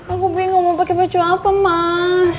aku bingung mau pakai baju apa mas